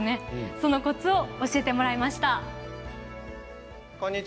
そのコツを、教えてもらいました。